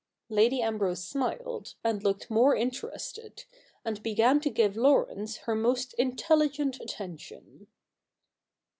Lady Ambrose smiled, and looked more interested, and began to give Laurence her most intelligent attention.